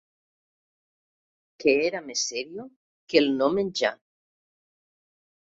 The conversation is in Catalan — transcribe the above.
Que era més serio que el no menjar